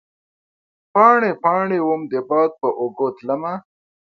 پاڼې ، پا ڼې وم د باد په اوږو تلمه